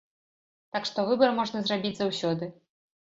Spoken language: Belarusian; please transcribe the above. Так што выбар можна зрабіць заўсёды.